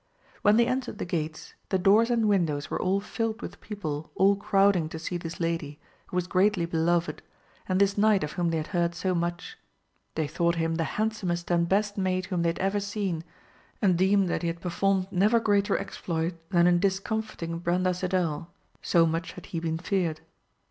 When they entered the gates the doors and windows were all filled with people all crowding to see this lady, who was greatly beloved, and this knight of whom they had heard so much; they thought him the handsomest and best made whom they had ever seen, and deemed that he had performed never greater exploit than in discomfiting Brandasidel, so much had he been feared.